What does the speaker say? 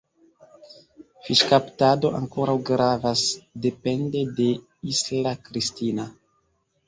Fiŝkaptado ankoraŭ gravas, depende de Isla Cristina.